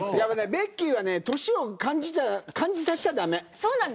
ベッキーは年を感じさせちゃ駄目。